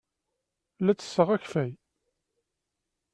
La ttesseɣ akeffay.